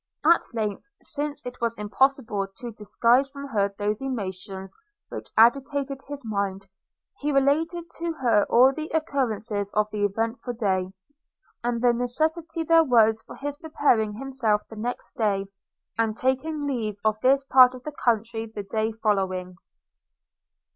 At length, since it was impossible to disguise from her those emotions which agitated his mind, he related to her all the occurrences of the eventful day, and the necessity there was for his preparing himself the next day, and taking leave of this part of the country the day following.